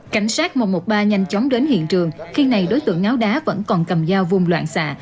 cảnh sát một trăm một mươi ba nhanh chóng đến hiện trường khi này đối tượng ngáo đá vẫn còn cầm dao vung loạn xạ